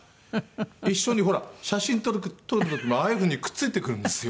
一緒にほら写真撮る時もああいう風にくっついてくるんですよ。